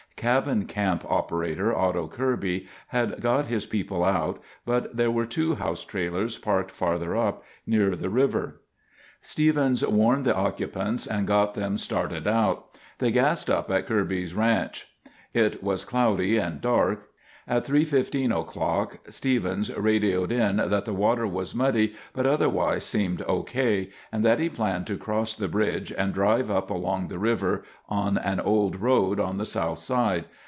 Cabin camp operator Otto Kirby had got his people out, but there were two house trailers parked farther up, near the river. Stevens warned the occupants, and got them started out. They gassed up at Kirby's ranch. It was cloudy and dark. At 3:15 o'clock Stevens radioed in that the water was muddy but otherwise seemed OK, and that he planned to cross the bridge and drive up along the river on an old road on the south side.